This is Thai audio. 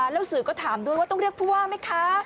แล้วสื่อก็ถามด้วยว่าต้องเรียกผู้ว่าไหมคะ